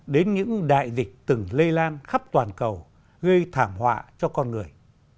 đến những đại dịch từng lây lan khắp toàn cầu gây thảm họa cho con người